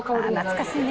懐かしい。